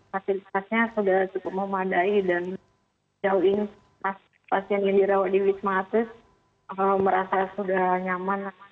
fasilitasnya sudah cukup memadai dan jauh ini pasien yang dirawat di wisma atlet merasa sudah nyaman